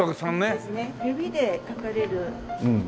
そうですよね。